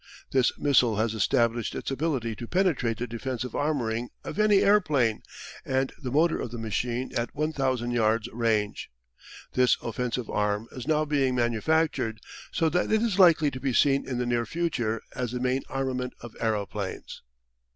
This missile has established its ability to penetrate the defensive armouring of any aeroplane and the motor of the machine at 1,000 yards' range. This offensive arm is now being manufactured, so that it is likely to be seen in the near future as the main armament of aeroplanes.